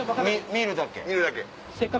見るだけ。